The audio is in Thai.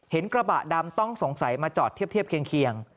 กระบะดำต้องสงสัยมาจอดเทียบเคียง